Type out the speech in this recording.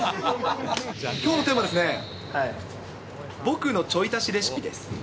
きょうのテーマはですね、僕のちょい足しレシピです。